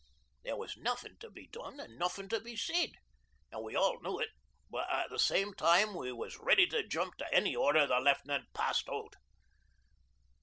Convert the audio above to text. There was nothin' to be done an' nothin' to be said, an' we all knew it, but at the same time we was ready to jump to any order the Left'nant passed out.